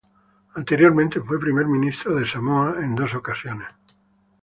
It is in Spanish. Anteriormente fue Primer Ministro de Samoa en dos ocasiones.